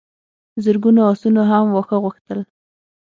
زرګونو آسونو هم واښه غوښتل.